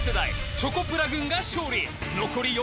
チョコプラ軍が勝利残り４